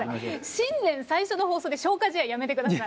新年最初の放送で消化試合やめてください。